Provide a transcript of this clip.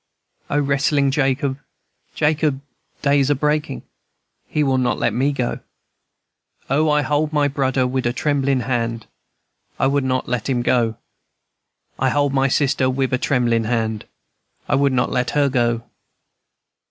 O wrestlin' Jacob, Jacob, day's a breakin'; He will not let me go! O, I hold my brudder wid a tremblin' hand I would not let him go! I hold my sister wid a tremblin' hand; I would not let her go!